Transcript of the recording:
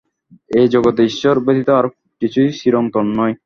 এই জগতে ঈশ্বর ব্যতীত আর কিছুই চিরন্তন নয়।